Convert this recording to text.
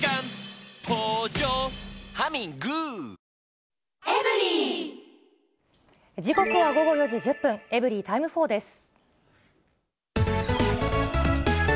キリン「生茶」時刻は午後４時１０分、エブリィタイム４です。